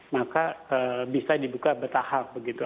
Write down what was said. maka bisa dibuka bertahap begitu